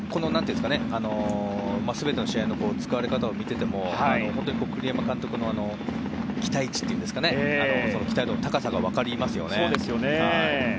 全ての試合の使われ方を見ていても栗山監督の期待値期待度の高さが分かりますよね。